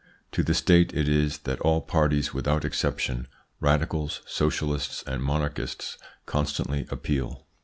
To the State it is that all parties without exception, radicals, socialists, or monarchists, constantly appeal.